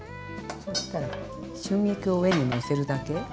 そしたら春菊を上にのせるだけ。